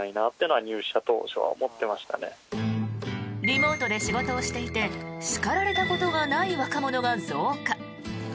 リモートで仕事をしていて叱られたことのない若者が増加。